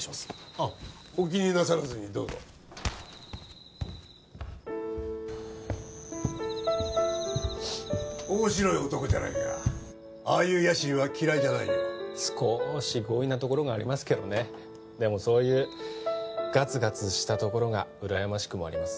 ああお気になさらずにどうぞ面白い男じゃないかああいう野心は嫌いじゃないよ少し強引なところがありますけどねでもそういうガツガツしたところがうらやましくもあります